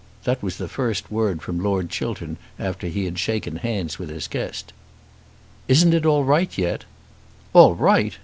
That was the first word from Lord Chiltern after he had shaken hands with his guest. "Isn't it all right yet?" "All right?